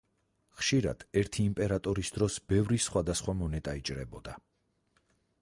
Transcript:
ხშირად ერთი იმპერატორის დროს ბევრი სხვადასხვა მონეტა იჭრებოდა.